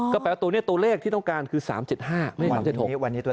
ก็แปลว่าตัวนี้ตัวเลขที่ต้องการคือ๓๗๕